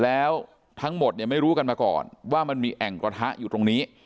แล้วทั้งหมดเนี่ยไม่รู้กันมาก่อนว่ามันมีแอ่งกระทะอยู่ตรงนี้